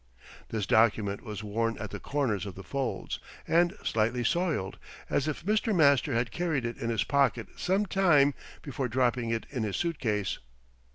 This document was worn at the corners of the folds, and slightly soiled, as if Mr. Master had carried it in his pocket some time before dropping it in his suitcase.